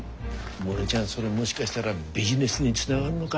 モネちゃんそれもしかしたらビジネスにつながんのが？